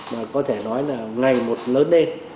mà có thể nói là ngày một lớn lên